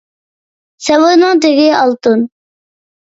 سەۋرنىڭ تېگى ئالتۇن.